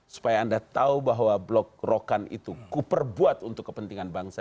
supaya anda tahu bahwa blok rokan itu kuperbuat untuk kepentingan bangsa